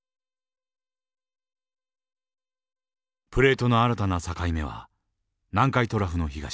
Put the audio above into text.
プレートの新たな境目は南海トラフの東